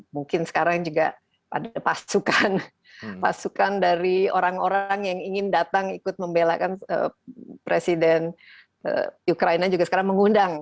mungkin sekarang juga ada pasukan pasukan dari orang orang yang ingin datang ikut membelakan presiden ukraina juga sekarang mengundang